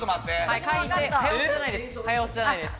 早押しじゃないです。